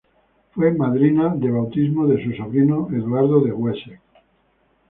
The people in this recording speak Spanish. Fue madrina de bautismo de su sobrino Eduardo de Wessex.